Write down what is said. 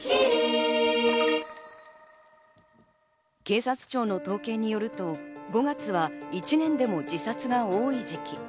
警察庁の統計によると、５月は１年でも自殺が多い時期。